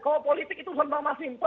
kalau politik itu usah bang mas huston